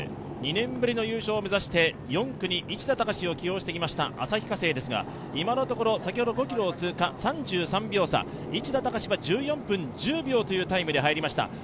２年ぶりの優勝を目指して４区に市田孝を起用してきました旭化成ですが、今のところ、先ほど５ｋｍを通過、３３秒差、市田孝は１４分１４秒というタイムで入りました。